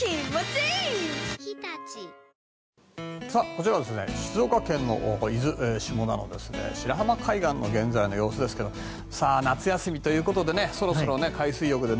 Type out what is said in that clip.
こちらは静岡県の伊豆下田の白浜海岸の現在の様子ですが夏休みということでそろそろ海水浴で。